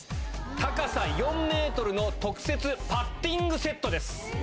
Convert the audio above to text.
高さ４メートルの特設パッティングセットです。